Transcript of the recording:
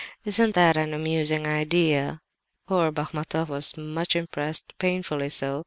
Isn't that an amusing idea!' "Poor Bachmatoff was much impressed—painfully so.